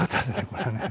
これはね。